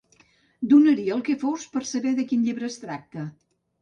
Donaria el que fos per saber de quin llibre es tracta.